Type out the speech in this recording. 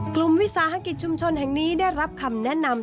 วิสาหกิจชุมชนแห่งนี้ได้รับคำแนะนำ